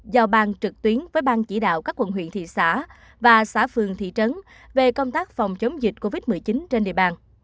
giao ban trực tuyến với bang chỉ đạo các quận huyện thị xã và xã phường thị trấn về công tác phòng chống dịch covid một mươi chín trên địa bàn